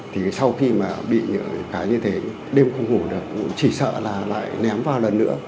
thì sau khi mà bị cái như thế đêm không ngủ được cũng chỉ sợ là lại ném vào lần nữa